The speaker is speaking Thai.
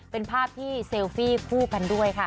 เป็นภาพที่เซลฟี่คู่กันด้วยค่ะ